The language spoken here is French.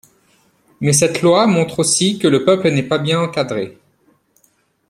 Mais cette loi montre aussi que le peuple n’est pas bien encadré.